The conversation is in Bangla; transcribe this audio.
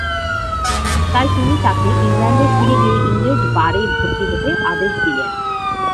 তাই তিনি তাকে ইংল্যান্ডে ফিরে গিয়ে ইংরেজ বারে ভর্তি হতে আদেশ দিলেন।